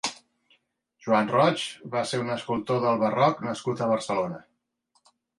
Joan Roig va ser un escultor del barroc nascut a Barcelona.